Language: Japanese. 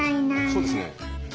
そうですね。